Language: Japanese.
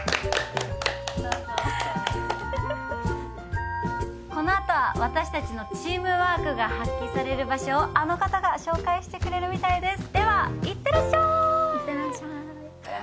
・どうぞこのあとは私たちのチームワークが発揮される場所をあの方が紹介してくれるみたいですでは行ってらっしゃい行ってらっしゃい